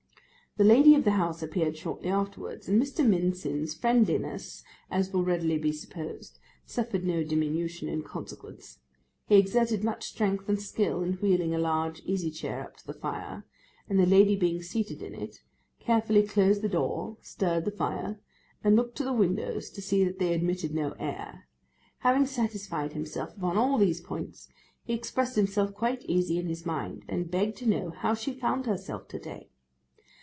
The lady of the house appeared shortly afterwards, and Mr. Mincin's friendliness, as will readily be supposed, suffered no diminution in consequence; he exerted much strength and skill in wheeling a large easy chair up to the fire, and the lady being seated in it, carefully closed the door, stirred the fire, and looked to the windows to see that they admitted no air; having satisfied himself upon all these points, he expressed himself quite easy in his mind, and begged to know how she found herself to day.